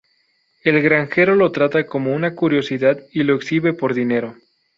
El granjero lo trata como una curiosidad y lo exhibe por dinero.